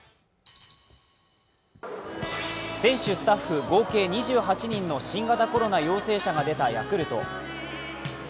選手・スタッフ合計２８人の新型コロナウイルス陽性者が出たヤクルト。